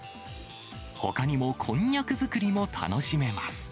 ほかにもこんにゃく作りも楽しめます。